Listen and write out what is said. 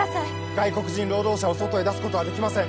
外国人労働者を外へ出すことはできません